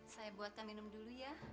saya buatkan minum dulu ya